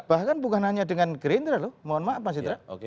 bahkan bukan hanya dengan gerindra loh mohon maaf mas indra